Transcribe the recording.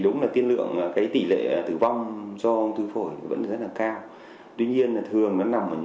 một bệnh lý có tỷ lệ tử vong cao thứ hai thế giới chỉ so với bệnh lý về tim mạch